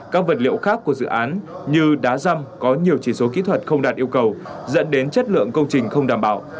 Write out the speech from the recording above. các vật liệu khác của dự án như đá răm có nhiều chỉ số kỹ thuật không đạt yêu cầu dẫn đến chất lượng công trình không đảm bảo